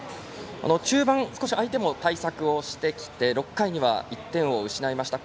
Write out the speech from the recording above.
中盤、相手も対策してきて６回には１点を失いました。